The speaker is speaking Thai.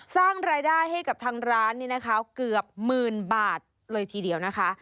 สร้างรายได้ให้กับทางร้านนี่นะคะเกือบหมื่นบาทเลยทีเดียวนะคะ